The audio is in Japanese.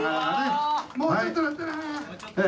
もうちょっとだったな！